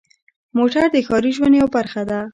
موټر د ښاري ژوند یوه برخه ده.